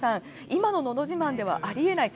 今の「のど自慢」ではあり得ない